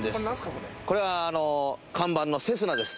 これは看板のセスナです。